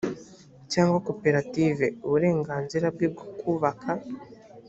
cyangwa koperative uburenganzira bwe bwo kubaka